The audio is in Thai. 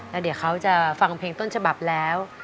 แล้วเดี๋ยวเขาจะฟังเพลงต้นฉบับแล้ว